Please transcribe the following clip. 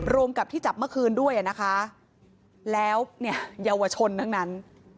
รวมกับที่จับเมื่อคืนด้วยนะคะแล้วเนี่ยเยาวชนทั้งนั้น